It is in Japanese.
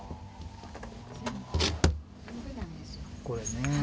これね。